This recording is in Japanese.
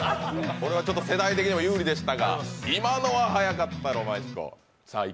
これは世代的にも有利でしたが今のは早かった、「浪漫飛行」。